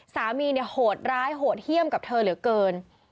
สามีเนี่ยโหดร้ายโหดเยี่ยมกับเธอเหลือเกิน